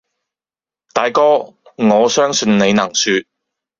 大哥，我相信你能説，